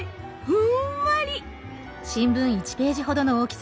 ふんわり！